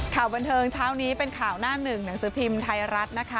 ข่าวบันเทิงเช้านี้เป็นข่าวหน้าหนึ่งหนังสือพิมพ์ไทยรัฐนะคะ